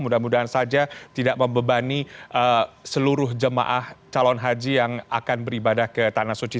mudah mudahan saja tidak membebani seluruh jemaah calon haji yang akan beribadah ke tanah suci